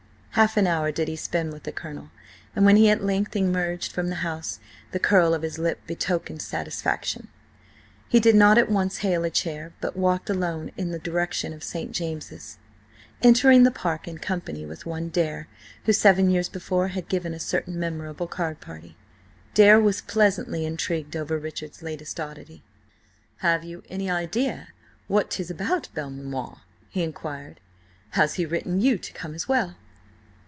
Half an hour did he spend with the Colonel, and when he at length emerged from the house the curl of his lip betokened satisfaction. He did not at once hail a chair, but walked along in the direction of St. James's, entering the park in company with one Dare, who, seven years before, had given a certain memorable card party. Dare was pleasantly intrigued over Richard's latest oddity. "Have you an idea what 'tis about, Belmanoir?" he inquired. "Has he written you to come as well?"